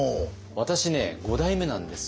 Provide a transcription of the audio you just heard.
私ね五代目なんですけど。